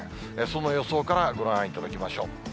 その予想からご覧いただきましょう。